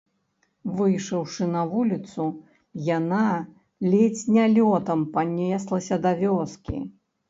Выйшаўшы на вуліцу, яна ледзь не лётам панеслася да вёскі.